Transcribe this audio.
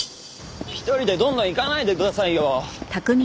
１人でどんどん行かないでくださいよ。